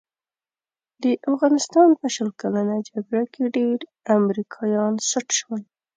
د افغانستان په شل کلنه جګړه کې ډېر امریکایان سټ شول.